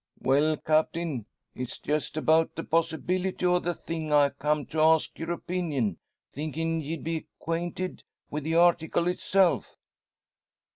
"Well, Captain, it's just about the possibility of the thing I come to ask your opinion; thinkin' ye'd be acquainted wi' the article itself."